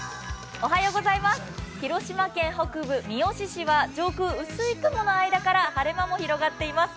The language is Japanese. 広島県北部、三次市は上空、薄い雲の間から晴れ間も広がっています。